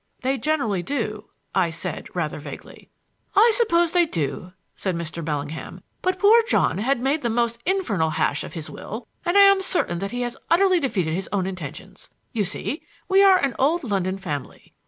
"They generally do," I said, rather vaguely. "I suppose they do," said Mr. Bellingham; "but poor John has made the most infernal hash of his will, and I am certain that he has utterly defeated his own intentions. You see, we are an old London family.